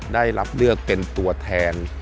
ได้รับเลือกเป็นตัวแทน